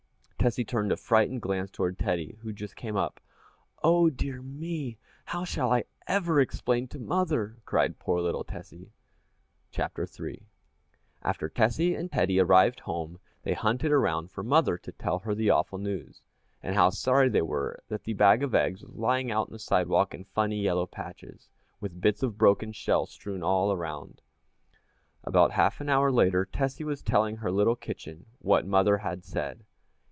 Tessie turned a frightened glance towards Teddy who just came up. "O dear me! How shall I ever explain to mother?" cried poor little Tessie. CHAPTER III After Tessie and Teddy arrived home they hunted around for mother to tell her the awful news, and how sorry they were that the bag of eggs was lying out on the sidewalk in funny yellow patches, with bits of broken shell strewn all around. About half an hour later Tessie was telling her little kitten what mother had said.